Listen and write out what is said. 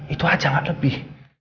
itu aja gak lebih